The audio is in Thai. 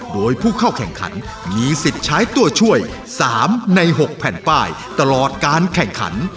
โดยผู้เข้าแข่งขันมีสิทธิ์ใช้ตัวช่วย๓ใน๖แผ่นป้ายตลอดการแข่งขัน